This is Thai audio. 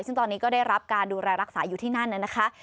ซึ่งตอนนี้ก็ได้รับการดูแลรักษาอยู่ที่นั่นนะคะ